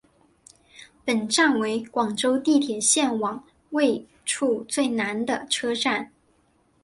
本站为广州地铁线网位处最南的车站。